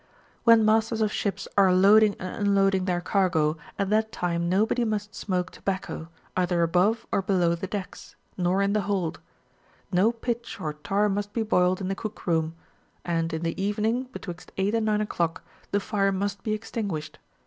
When masters of ships are loading and unloading their cargo, at that time nobody must smoke tobacco, either above or below the decl^, nor in the hold; no pitch or tar must be boiled in the cook room ; and in the evening, betwixt 8 and 9 o'clock, the fire must be extinguished.